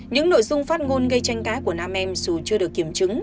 những nội dung phát ngôn gây tranh cãi của nam em dù chưa được kiểm chứng